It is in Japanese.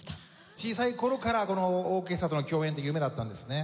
小さい頃からオーケストラとの共演って夢だったんですね。